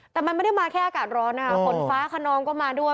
แต่มันไม่ได้มาแค่อากาศร้อนนะคะฝนฟ้าขนองก็มาด้วย